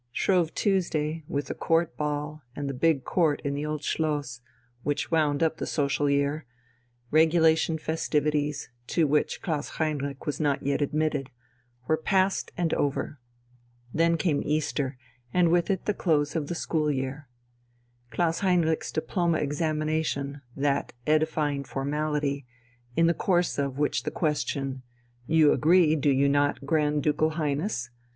Shrove Tuesday, with the Court Ball and the big Court in the Old Schloss, which wound up the social year regulation festivities, to which Klaus Heinrich was not yet admitted were past and over. Then came Easter, and with it the close of the school year. Klaus Heinrich's diploma examination, that edifying formality, in the course of which the question, "You agree, do you not, Grand Ducal Highness?"